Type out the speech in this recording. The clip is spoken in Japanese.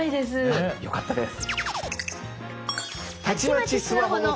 あっよかったです。